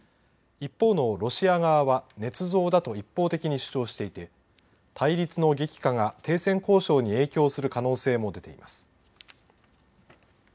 一方のロシア側はねつ造だと一方的に主張していて対立の激化が停戦交渉に影響する可能性も出ています。